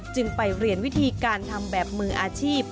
จึงไปเรียนวิธีการทำแบบมืออาชีพ